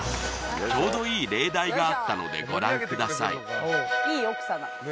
ちょうどいい例題があったのでご覧ください